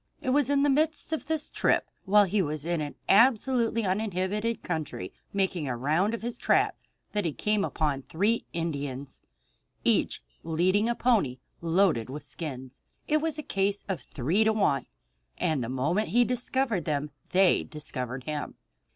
It was in the midst of this trip, while he was in an absolutely uninhabited country, making a round of his traps, that he came upon three Indians, each leading a pony loaded with skins. It was a case of three to one, and the moment he discovered them they discovered him.